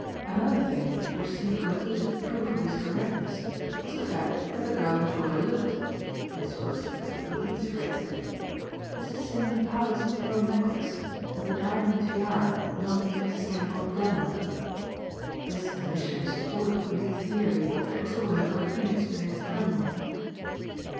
Another thing which seemed conclusive proof of his correctness was the fact that the girl had overlooked this was as the police phrased it Mrs. Simeon Power's pearl necklace and the diamond tiara belonging to Mrs. Campbell Glenelg. This omission supported the police theory that it was the work of an inexperienced criminal.